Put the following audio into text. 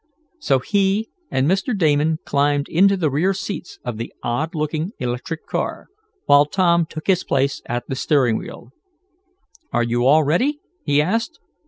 So he and Mr. Damon climbed into the rear seats of the odd looking electric car, while Tom took his place at the steering wheel. "Are you all ready?" he asked.